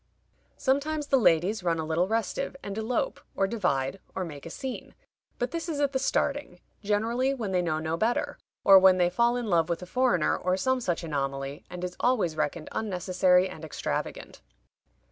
Sometimes the ladies run a little restive, and elope, or divide, or make a scene, but this is at the starting, generally when they know no better, or when they fall in love with a foreigner, or some such anomaly, and is always reckoned unnecessary and extravagant."